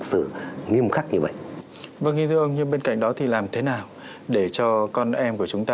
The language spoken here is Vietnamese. sự nghiêm khắc như vậy vâng như thế ông nhưng bên cạnh đó thì làm thế nào để cho con em của chúng ta